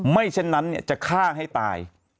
เช่นนั้นจะฆ่าให้ตาย